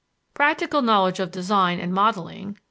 Practical knowledge of design and modeling i.